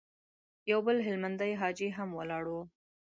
يو بل هلمندی حاجي هم ولاړ و.